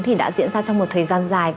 thì đã diễn ra trong một thời gian dài